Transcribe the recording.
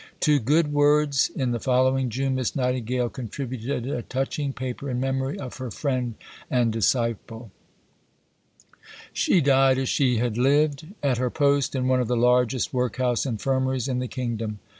To Good Words in the following June Miss Nightingale contributed a touching paper in memory of her friend and disciple: She died as she had lived, at her post in one of the largest workhouse infirmaries in the Kingdom.